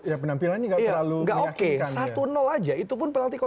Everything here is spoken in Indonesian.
ya penampilannya nggak terlalu meyakinkan